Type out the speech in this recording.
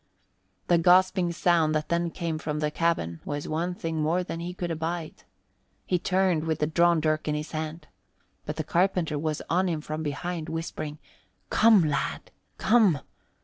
The gasping sound that then came from the cabin was one thing more than he could abide. He turned with the drawn dirk in his hand, but the carpenter was on him from behind, whispering, "Come, lad, come!"